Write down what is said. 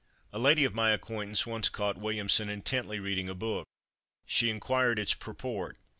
A lady of my acquaintance once caught Williamson intently reading a book. She inquired its purport.